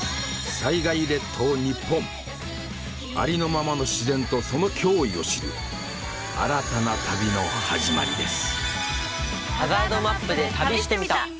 ありのままの自然とその脅威を知る新たな旅の始まりです。